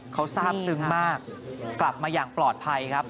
เขาทราบซึ้งมากกลับมาอย่างปลอดภัยครับ